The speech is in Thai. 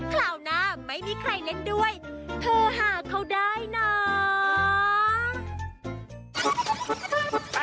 ข่าวหน้าไม่มีใครเล่นด้วยเธอหาเขาได้หน่า